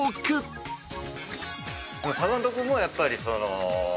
坂本君もやっぱりその。